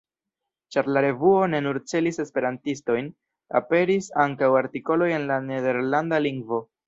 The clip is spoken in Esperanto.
Ĉar la revuo ne nur celis esperantistojn, aperis ankaŭ artikoloj en la nederlanda lingvo.